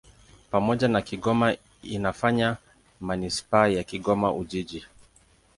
Pamoja na Kigoma inafanya manisipaa ya Kigoma-Ujiji.